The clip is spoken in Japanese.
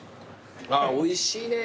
あっおいしいね